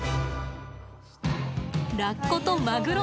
ラッコとマグロ。